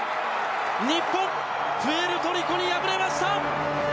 日本、プエルトリコに敗れました！